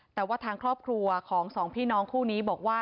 แต่ว่าทางครอบครัวของสองพี่น้องคู่นี้บอกว่า